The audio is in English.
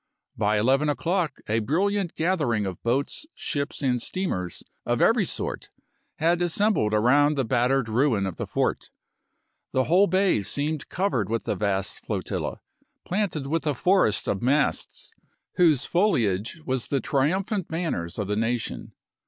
By eleven o'clock a brilliant gathering of boats, ships, and steamers of every sort had assembled around the battered ruin of the fort; the whole bay seemed covered with the vast flotilla, planted with a forest of masts, whose foliage was the triumphant banners of the nation.